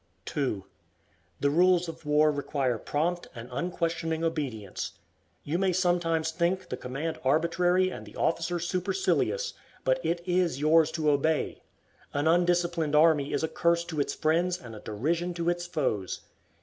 2. The rules of war require prompt and unquestioning obedience. You may sometimes think the command arbitrary and the officer supercilious, but it is yours to obey. An undisciplined army is a curse to its friends and a derision to its foes.